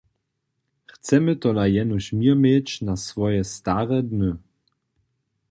Chcemy tola jenož měr měć na swoje stare dny.